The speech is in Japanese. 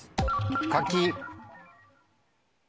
柿。